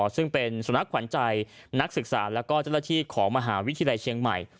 ซึ่งเป็นสุนัขขวัญใจนักศึกษาแล้วก็เจ้าหน้าที่ของมหาวิทยาลัยเชียงใหม่